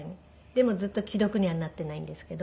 でもずっと既読にはなっていないんですけど。